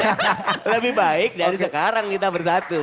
lebih baik dari sekarang kita bersatu